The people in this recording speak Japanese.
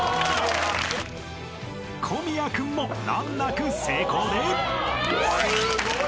［小宮君も難なく成功で］